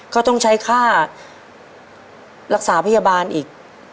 ก็ต้องใช้